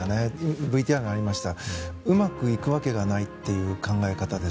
ＶＴＲの中にありましたうまくいくわけがないという考え方です。